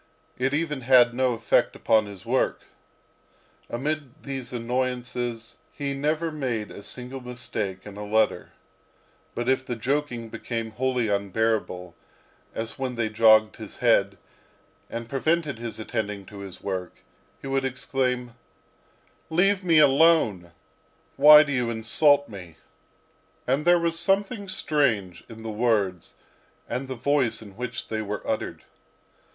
It even had no effect upon his work. Amid all these annoyances he never made a single mistake in a letter. But if the joking became wholly unbearable, as when they jogged his head, and prevented his attending to his work, he would exclaim: "Leave me alone! Why do you insult me?" And there was something strange in the words and the voice in which they were uttered.